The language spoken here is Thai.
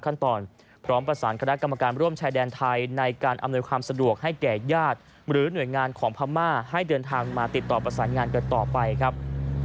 พร้อมประสานคณะกรรมการร่วมชายแดนไทยในการอำนวยความสะดวกให้แก่ญาติหรือหน่วยงานของพม่าให้เดินทางมาติดต่อประสานงานกันต่อไปครับ